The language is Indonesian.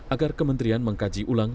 agar kementerian mengkaji ulang